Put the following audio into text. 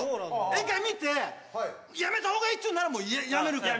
１回見てやめた方がいいっていうならもうやめるから。